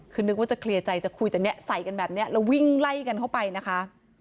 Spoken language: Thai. คือนึกว่าจะเคลียร์ใจจะคุยแต่เนี่ยใส่กันแบบนี้แล้ววิ่งไล่กันเข้าไปนะคะ